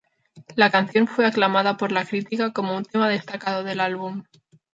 La canción fue aclamada por la crítica como un tema destacado del álbum.